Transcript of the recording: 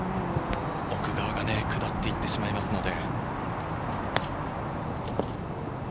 奥側が下って行ってしまいますので。